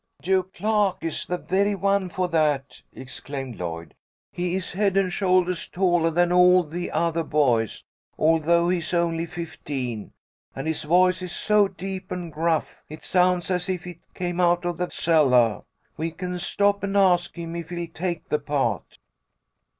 "Joe Clark is the very one for that," exclaimed Lloyd. "He is head and shouldahs tallah than all the othah boys, although he is only fifteen, and his voice is so deep and gruff it sounds as if it came out of the cellah. We can stop and ask him if he'll take the part."